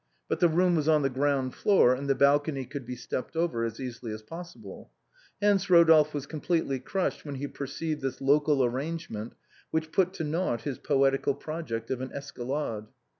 But the room was on the ground floor, and the balcony could be stepped over as easily as possible. Hence Rodolphe was completely crushed when he per ceived this local arrangement, which put to naught his poetical project of an escalade.